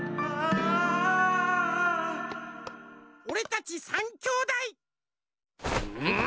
おれたち３きょうだい！